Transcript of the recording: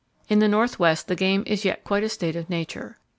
In the northwest the game is yet quite in a state of nature.